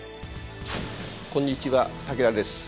こんにちは武田です。